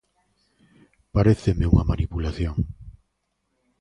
Paréceme unha manipulación.